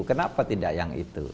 kenapa tidak yang itu